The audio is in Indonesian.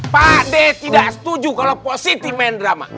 pak de tidak setuju kalau positi main drama